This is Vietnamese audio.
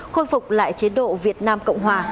khôi phục lại chế độ việt nam cộng hòa